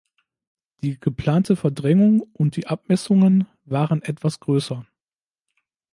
Die geplante Verdrängung und die Abmessungen waren etwas größer.